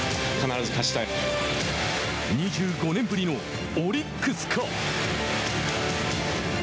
２５年ぶりのオリックスか。